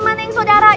mana yang saudaranya